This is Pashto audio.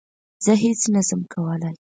زه هیڅ نه شم کولای